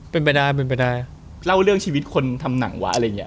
เป็นไปได้เป็นไปได้เล่าเรื่องชีวิตคนทำหนังวะอะไรอย่างเงี้